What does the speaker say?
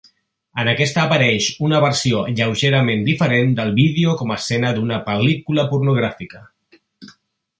En aquesta apareix una versió lleugerament diferent del vídeo com a escena d'una pel·lícula pornogràfica.